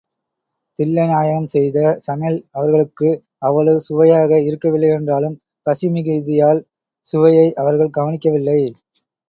தில்லைநாயகம் செய்த சமையல் அவர்களுக்கு அவ்வளவு சுவையாக இருக்கவில்லையென்றாலும் பசி மிகுதியால் சுவையை அவர்கள் கவனிக்கவில்லை.